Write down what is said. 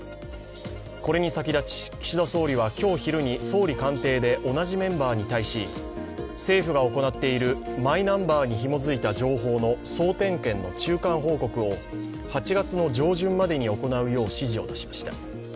これに先立ち、岸田総理は今日昼に総理官邸で同じメンバーに対し政府が行っているマイナンバーにひも付いた情報の総点検の中間報告を８月の上旬までに行うよう指示を出しました。